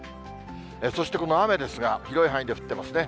そしてこの雨ですが、広い範囲で降ってますね。